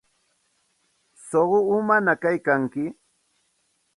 Suqu umañaq kaykanki.